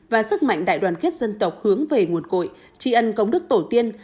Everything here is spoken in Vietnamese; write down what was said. và sức mạnh đại đoàn kết dân tộc hướng về nguồn cội tri ân công đức tổ tiên